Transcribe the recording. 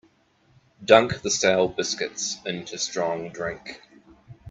Dunk the stale biscuits into strong drink.